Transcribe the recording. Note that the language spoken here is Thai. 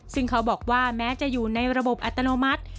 ซึ่งเขาบอกว่าแม้จะอยู่ในระบบอัตโนมัติ